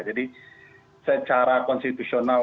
jadi secara konstitusional